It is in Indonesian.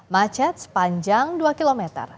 macet sepanjang dua km